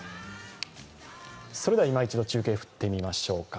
それでは、今一度中継を振ってみましょうか。